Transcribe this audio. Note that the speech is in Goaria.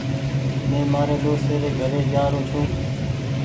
مين مآري دوستي ري گھري جآ رو ڇون۔